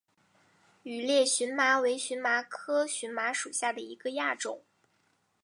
羽裂荨麻为荨麻科荨麻属下的一个亚种。